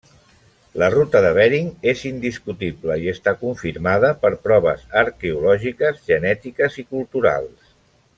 La ruta de Bering és indiscutible i està confirmada per proves arqueològiques, genètiques i culturals.